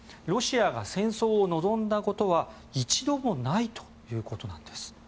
ロシアが戦争を望んだことは一度もないということなんです。